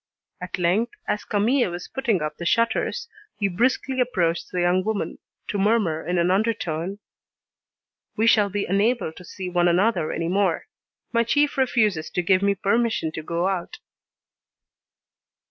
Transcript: At length, as Camille was putting up the shutters, he briskly approached the young woman, to murmur in an undertone: "We shall be unable to see one another any more. My chief refuses to give me permission to go out."